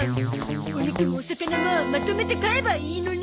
お肉もお魚もまとめて買えばいいのに！